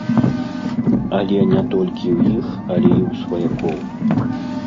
І не толькі ў іх, але і ў сваякоў.